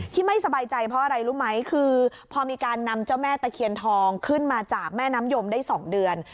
ไม่สบายใจเพราะอะไรรู้ไหมคือพอมีการนำเจ้าแม่ตะเคียนทองขึ้นมาจากแม่น้ำยมได้๒เดือน